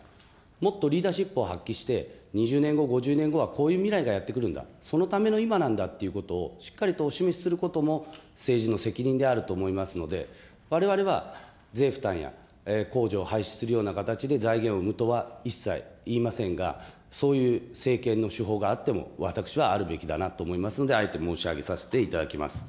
もっとリーダーシップを発揮して、２０年後、５０年後はこういう未来がやって来るんだ、そのための今なんだということを、しっかりとお示しすることも政治の責任であると思いますので、われわれは税負担や控除を廃止するような形で財源を生むとは一切言いませんが、そういう政権の手法があっても私はあるべきだなと思いますので、あえて申し上げさせていただきます。